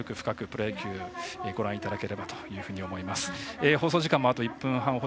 プロ野球」ご覧いただければと思います。